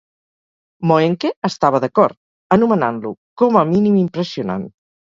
Moehnke estava d'acord, anomenant-lo "com a mínim, impressionant".